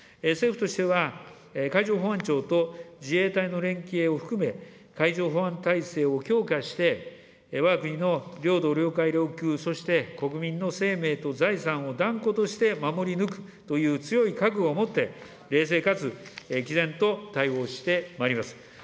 政府としては、海上保安庁と自衛隊の連携を含め、海上保安体制を強化して、わが国の領土、領海、領空、そして国民の生命と財産を断固として守り抜くという強い覚悟をもって、冷静かつきぜんと対応してまいります。